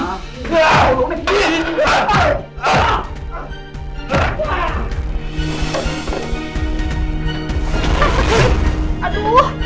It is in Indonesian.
aku harus kabur dari sini